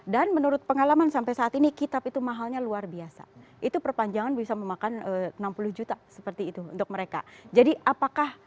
dan menurut pengalaman sampai saat ini kitab itu mahalnya luar biasa itu perpanjangan bisa memakan enam puluh juta seperti itu untuk mereka jadi apakah